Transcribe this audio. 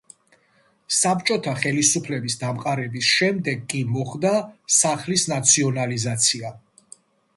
საბჭოთა ხელისუფლების დამყარების შემდეგ კი მოხდა სახლის ნაციონალიზაცია.